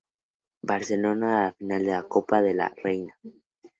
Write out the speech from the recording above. Barcelona en la final de la Copa de la Reina.